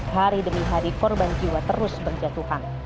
hari demi hari korban jiwa terus berjatuhan